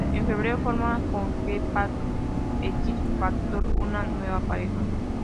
En febrero forma con X-Pac, "X-Factor", una nueva pareja.